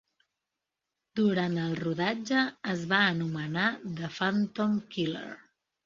Durant el rodatge es va anomenar "The Phantom Killer".